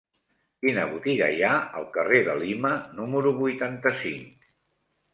Quina botiga hi ha al carrer de Lima número vuitanta-cinc?